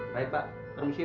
baik pak permisi pak